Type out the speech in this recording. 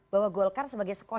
bahwa golkar sebagai seorang